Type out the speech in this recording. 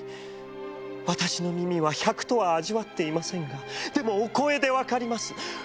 私の耳は百とは味わっていませんがでもお声でわかります。